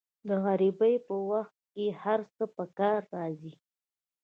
د غریبۍ په وخت کې هر څه په کار راځي.